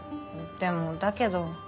でもだけど。